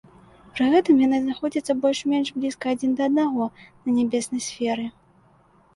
Пры гэтым яны знаходзяцца больш-менш блізка адзін да аднаго на нябеснай сферы.